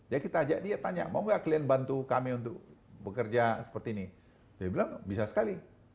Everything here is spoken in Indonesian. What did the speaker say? jadi kita ajak dia tanya mau gak kalian bantu kami untuk bekerja seperti ini dia bilang bisa sekali